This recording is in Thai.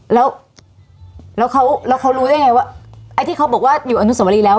แล้วแล้วเขาแล้วเขารู้ได้ไงว่าไอ้ที่เขาบอกว่าอยู่อนุสวรีแล้ว